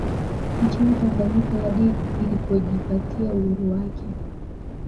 Nchini Tanganyika hadi ilipojipatia uhuru wake